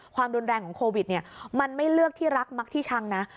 ความรุนแรงของโควิดเนี่ยมันไม่เลือกที่รักมักที่ชังนะ